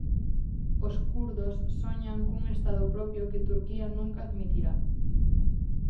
Os kurdos soñan cun Estado propio que Turquía nunca admitirá.